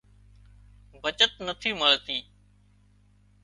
بچت نٿِي مۯتي